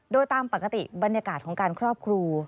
โดยตามปกติบรรยากาศของการครอบครู